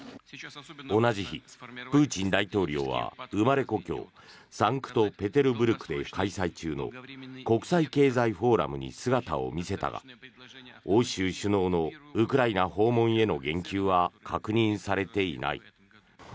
同じ日、プーチン大統領は生まれ故郷サンクトペテルブルクで開催中の国際経済フォーラムに姿を見せたが欧州首脳のウクライナ訪問への言及は確認されていない。